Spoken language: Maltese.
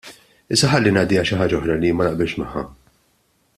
Issa ħalli ngħaddi għal xi ħaġa oħra li jien ma naqbilx magħha.